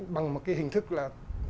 bằng một cái hình thức là